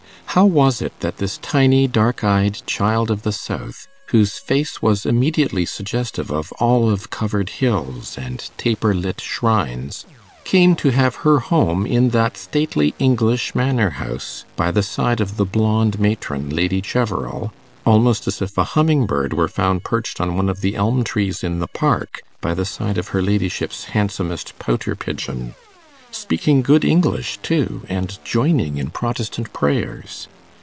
How was it that this tiny, dark eyed child of the south, whose face was immediately suggestive of olive covered hills and taper lit shrines, came to have her home in that stately English manor house, by the side of the blonde matron, Lady Cheverel almost as if a humming bird were found perched on one of the elm trees in the park, by the side of her ladyship's handsomest pouter pigeon? Speaking good English, too, and joining in Protestant prayers!